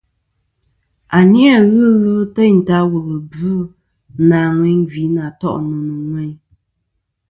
A ni-a ghɨ ɨlvɨ teyn ta wulwi bvɨ nà ŋweyn gvi nà to'nɨ nɨ̀ ŋweyn.